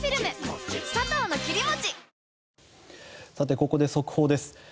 ここで速報です。